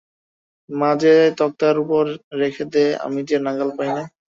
মা যে তক্তার ওপর রেখে দ্যায়, আমি যে নাগাল পাইনে?